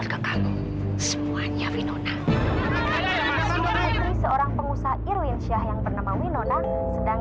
sampai jumpa di video selanjutnya